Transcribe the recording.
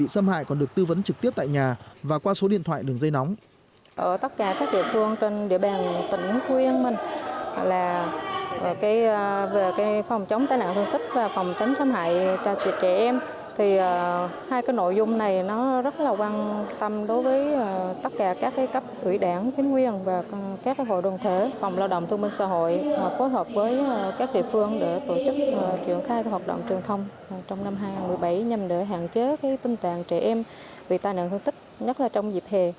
xâm hại còn được tư vấn trực tiếp tại nhà và qua số điện thoại đường dây nóng